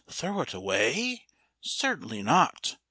Throw it away? Certainly not.